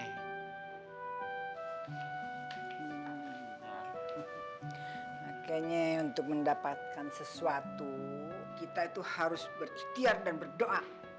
kayaknya untuk mendapatkan sesuatu kita itu harus berikhtiar dan berdoa